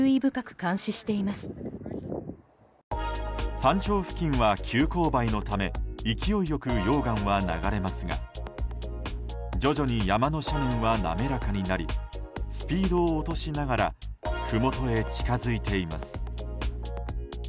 山頂付近は急勾配のため勢いよく溶岩は流れますが徐々に山の斜面は滑らかになりスピードを落としながらふもとへ近づいています。